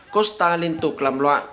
costa liên tục làm loạn